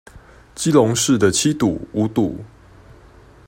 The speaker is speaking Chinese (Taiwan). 基隆市的七堵、五堵